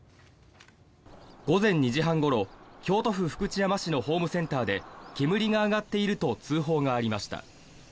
午前２時半ごろ京都府福知山市のホームセンターで煙が上がっていると通報がありました。